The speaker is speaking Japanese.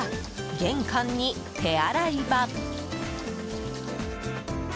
玄関に手洗い場。